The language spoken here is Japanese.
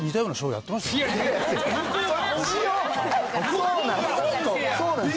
そうなんです。